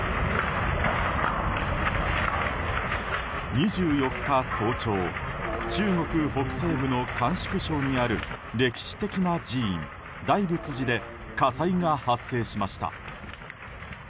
２４日早朝中国北西部の甘粛省にある歴史的な寺院大仏寺で火災が発生しました。